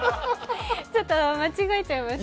ちょっと間違えちゃいました。